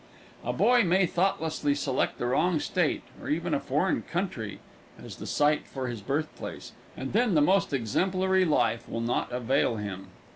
A boy may thoughtlessly select the wrong state, or even a foreign country, as the site for his birthplace, and then the most exemplary life will not avail him.